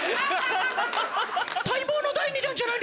待望の第２弾じゃない。